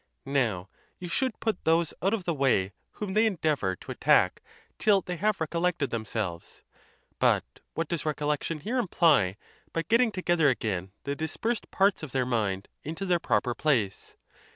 Now, you should put those out of the way whom they endeavor to attack till they have recollected themselves; but what does recollection here imply but getting together again the dis persed parts of their mind into their proper place?